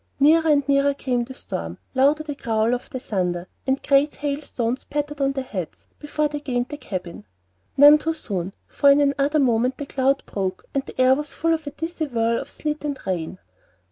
Nearer and nearer came the storm, louder the growl of the thunder, and great hail stones pattered on their heads before they gained the cabin; none too soon, for in another moment the cloud broke, and the air was full of a dizzy whirl of sleet and rain.